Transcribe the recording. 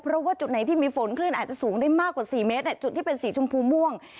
เพราะว่าจุดไหนที่มีฝนคลื่นอาจจะสูงได้มากกว่า๔เมตรจุดที่เป็นสีชมพูม่วง